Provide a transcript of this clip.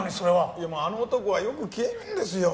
いやもうあの男はよく消えるんですよ。